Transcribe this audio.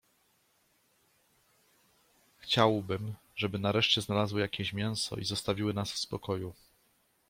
- Chciałbym, żeby nareszcie znalazły jakieś mięso i zostawiły nas w spokoju.